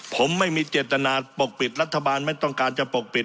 ผมไม่มีเจตนาปกปิดรัฐบาลไม่ต้องการจะปกปิด